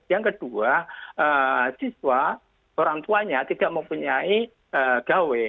yang kedua siswa orang tuanya tidak mempunyai gawe